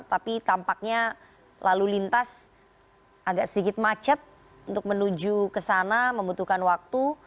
tapi tampaknya lalu lintas agak sedikit macet untuk menuju ke sana membutuhkan waktu